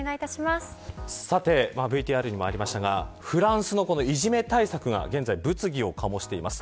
ＶＴＲにもありましたがフランスのいじめ対策が現在、物議を醸しています。